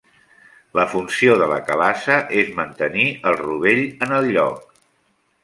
La funció de la calaza és mantenir el rovell en el lloc.